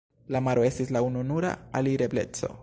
La maro estis la ununura alirebleco.